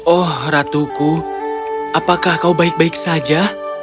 oh ratuku apakah kau baik baik saja